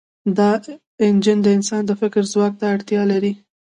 دا انجن د انسان د فکر ځواک ته اړتیا لري.